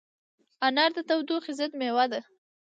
انار د تودوخې ضد مېوه ده.